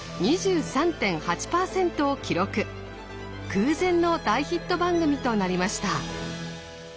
空前の大ヒット番組となりました。